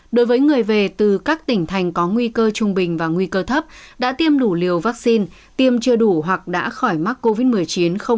đối với người về từ các tỉnh thành có nguy cơ trung bình và nguy cơ thấp đã tiêm đủ liều vaccine tiêm chưa đủ hoặc đã khỏi mắc covid một mươi chín không quá sáu tháng